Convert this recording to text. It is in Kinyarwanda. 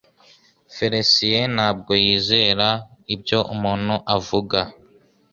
feresiye ntabwo yizera ibyo umuntu avuga.